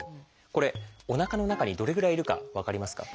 これおなかの中にどれぐらいいるか分かりますか？